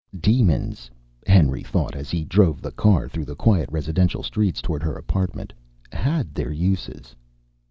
Demons, Henry thought as he drove the car through the quiet residential streets toward her apartment, had their uses.